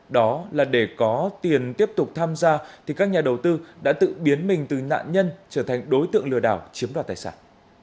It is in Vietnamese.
đó là để có tiền tiếp tục tham gia thì các nhà đầu tư đã tự biến mình từ nạn nhân trở thành đối tượng lừa đảo chiếm đoạt tài sản